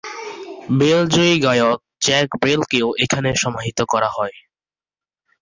বেলজীয় গায়ক জ্যাক ব্রেলকেও এখানে সমাহিত করা হয়।